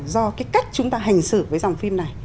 do cái cách chúng ta hành xử với dòng phim này